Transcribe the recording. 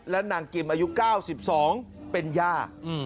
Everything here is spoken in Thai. และนางกิมอายุ๙๒เป็นย่า